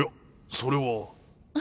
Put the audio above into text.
それは。